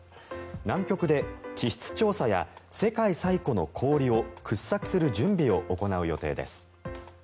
南極で地質調査や世界最古の氷を掘削する準備を行う予定です。